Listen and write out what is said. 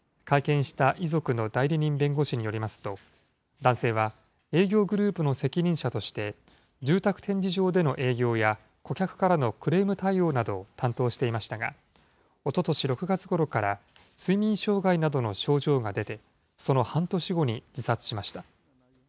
会見した遺族の代理人弁護士によりますと、男性は営業グループの責任者として、住宅展示場での営業や、顧客からのクレーム対応などを担当していましたが、おととし６月ごろから睡眠障害などの症状が出て、その半年後に自殺しました。